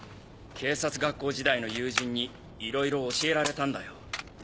警察学校時代の友人にいろいろ教えられたんだよ。